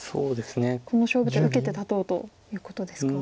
この勝負手受けて立とうということですか？